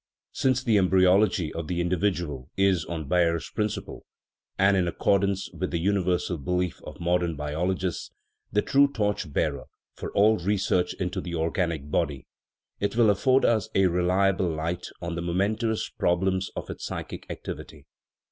Since the embryology of the individual is, on Baer's principle and in accordance with the universal belief of modern biologists the "true torch bearer for all research into the organic body/' it will afford us a reliable light on the momen tous problems of its psychic activity.